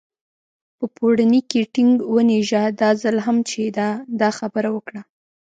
په پوړني کې ټینګ ونېژه، دا ځل هم چې ده دا خبره وکړه.